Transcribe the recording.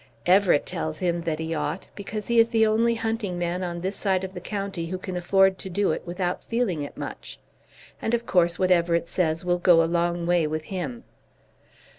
Everett tells him that he ought, because he is the only hunting man on this side of the county who can afford to do it without feeling it much; and of course what Everett says will go a long way with him.